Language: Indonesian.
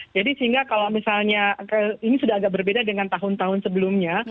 sehingga kalau misalnya ini sudah agak berbeda dengan tahun tahun sebelumnya